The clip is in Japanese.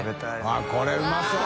△これうまそう。